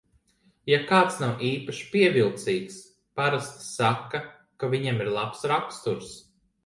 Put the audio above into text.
Ja kāds nav īpaši pievilcīgs, parasti saka, ka viņam ir labs raksturs.